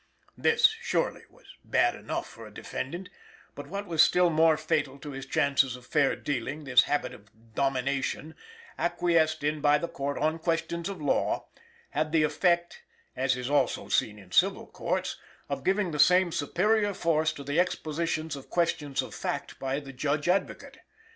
This, surely, was bad enough for a defendant; but, what was still more fatal to his chances of fair dealing, this habit of domination, acquiesced in by the Court on questions of law, had the effect (as is also seen in civil courts) of giving the same superior force to the expositions of questions of fact by the Judge Advocate.